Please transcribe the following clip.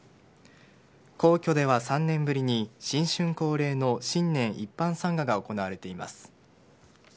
皇居では３年ぶりに新春恒例の新年一般参賀が行われています。